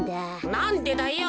なんでだよ。